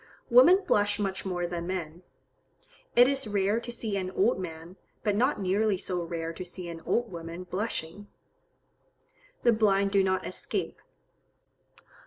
Women blush much more than men. It is rare to see an old man, but not nearly so rare to see an old woman blushing. The blind do not escape.